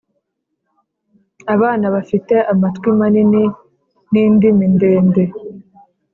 abana bafite amatwi manini n'indimi ndende